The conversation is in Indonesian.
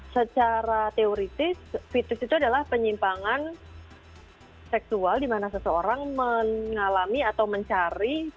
secara teoritis fitris itu adalah penyimpangan seksual di mana seseorang mengalami atau mencari